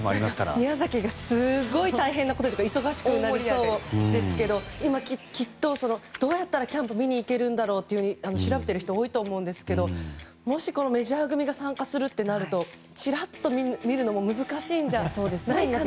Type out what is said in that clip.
宮崎がすごい大変なことにというか忙しくなりそうですけど今、きっとどうやったらキャンプ見に行けるんだろうって調べてる人多いと思うんですけどもし、メジャー組が参加するとなるとちらっと見るのも難しいんじゃないかなって。